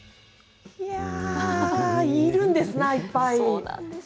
いやあいるんですな、いっぱい。